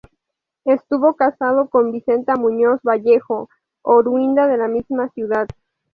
Estuvo casado con Vicenta Muñoz Vallejo, oriunda de la misma ciudad.